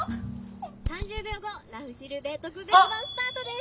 「３０秒後『らふしるべ特別版』スタートです！」。